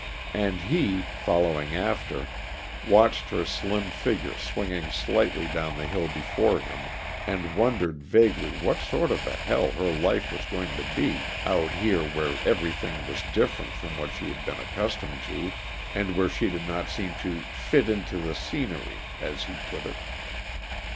And he, following after, watched her slim figure swinging lightly down the hill before him, and wondered vaguely what sort of a hell her life was going to be, out here where everything was different from what she had been accustomed to, and where she did not seem to "fit into the scenery," as he put it.